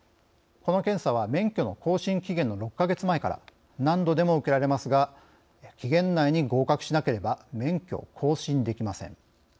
この検査は免許の更新期限の６か月前から何度でも受けられますが期限内に合格しなければ免許を更新できません。